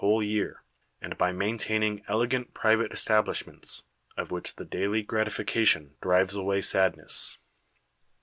hole year, and by maintaining elegant private establishments, of which the daily gratification drives away sadness.